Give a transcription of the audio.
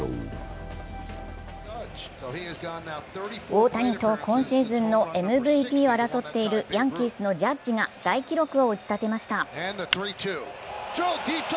大谷と今シーズンのＭＶＰを争っているヤンキースのジャッジが大記録を打ち立てました。